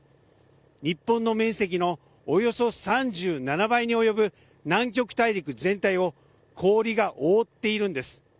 日本の面積のおよそ３７倍に及ぶ南極大陸全体を氷が覆っているんです。